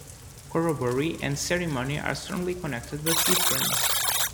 Corroboree and ceremony are strongly connected but different.